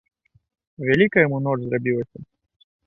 Вялікая яму ноч зрабілася.